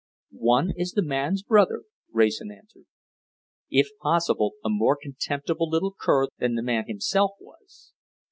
"One is the man's brother," Wrayson answered, "if possible, a more contemptible little cur than the man himself was.